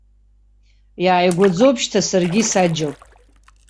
Иааигәаӡоуп шьҭа саргьы саџьал.